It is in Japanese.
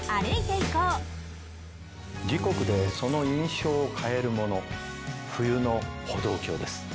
時刻でその印象を変えるもの冬の歩道橋です。